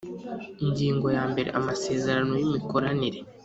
Ingingo ya mbere Amasezerano y imikoranire